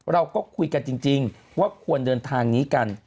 เราก็คุยกันจริงว่าควรเดินทางนี้กัน